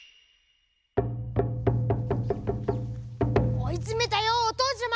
おいつめたよおとうちゃま！